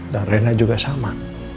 dan reina juga sama